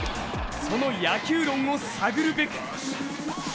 その野球論を探るべく。